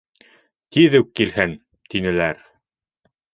Тиҙ үк килһен, тинеләр.